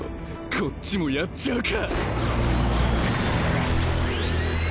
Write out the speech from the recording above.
こっちもやっちゃうか。